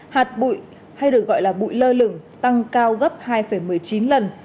hạt bụi hay được gọi là bụi lơ lửng tăng cao gấp hai một mươi chín lần